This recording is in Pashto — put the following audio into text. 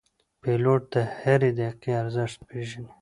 پیلوټ د هرې دقیقې ارزښت پېژني.